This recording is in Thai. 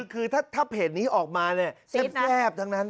คือถ้าเพจนี้ออกมาแทบจังนั้น